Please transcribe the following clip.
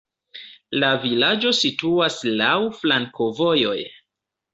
La vilaĝo situas laŭ flankovojoj.